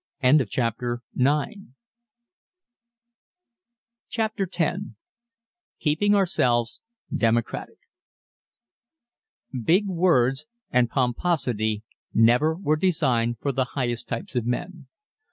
CHAPTER X KEEPING OURSELVES DEMOCRATIC Big words and pomposity never were designed for the highest types of men.